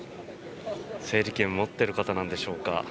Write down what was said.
整理券を持っている方なんでしょうか。